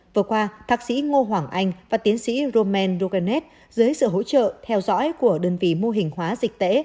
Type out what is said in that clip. vừa qua thạc sĩ ngô hoàng anh và tiến sĩ roman roganet dưới sự hỗ trợ theo dõi của đơn vị mô hình hóa dịch tễ